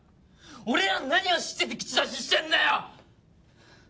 俺らの何を知ってて口出ししてんだよ！